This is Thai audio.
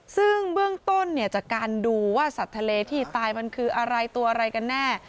ซึ่งเบื้องต้นเนี่ยจากการดูว่าสัตว์ทะเลที่ตายมันคืออะไรตัวอะไรกันแน่